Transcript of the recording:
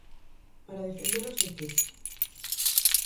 Para defendelos de que?